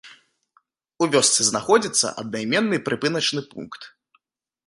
У вёсцы знаходзіцца аднайменны прыпыначны пункт.